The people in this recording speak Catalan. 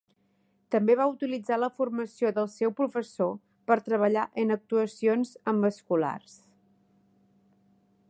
També va utilitzar la formació del seu professor per treballar en actuacions amb escolars.